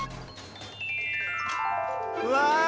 うわ！